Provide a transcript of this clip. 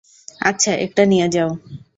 আচ্ছা, একটা নিয়ে যাও।